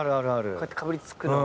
こうやってかぶりつくの。